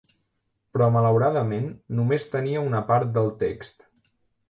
Però malauradament només tenia una part del text.